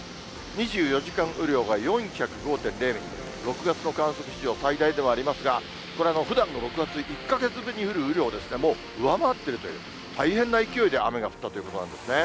２４時間雨量が４０５．０ミリと、６月の観測史上最大ではありますが、これはふだんの６か月１か月に降る雨量をもう上回ってるという、大変な勢いで雨が降ったということなんですね。